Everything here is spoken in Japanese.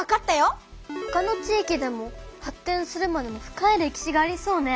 ほかの地域でも発展するまでの深い歴史がありそうね！